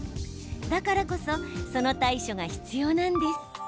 だからこそその対処が必要なんです。